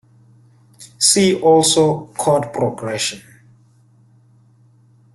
See also Chord progression.